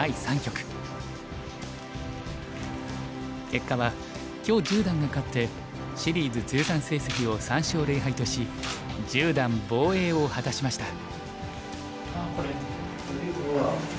結果は許十段が勝ってシリーズ通算成績を３勝０敗とし十段防衛を果たしました。